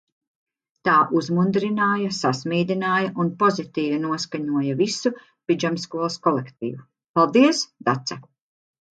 Tā uzmundrināja, sasmīdināja un pozitīvi noskaņoja visu pidžamskolas kolektīvu. Paldies, Dace!